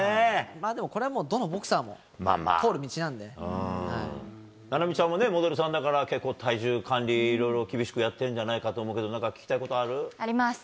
でもこれはどのボクサーも通菜波ちゃんもモデルさんだから、結構体重管理、結構厳しくやってんじゃないかと思うけど、なんか聞きたいことああります。